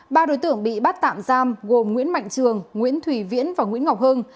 ba đối tượng bị bắt tạm giam gồm nguyễn mạnh trường nguyễn thủy viễn và nguyễn ngọc hưng